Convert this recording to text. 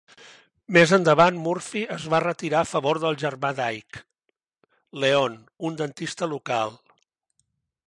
Més endavant Murphy es va retirar a favor del germà d'Ike, Leon, un dentista local.